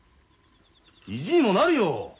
意地にもなるよ！